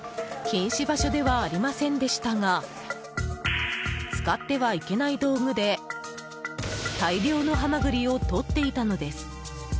禁止場所ではありませんでしたが使ってはいけない道具で大量のハマグリをとっていたのです。